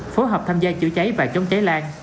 phối hợp tham gia chữa cháy và chống cháy lan